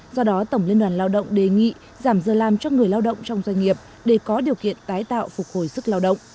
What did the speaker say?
do đó tổng liên đoàn lao động đề nghị giảm giờ làm cho người lao động trong doanh nghiệp để có điều kiện tái tạo phục hồi sức lao động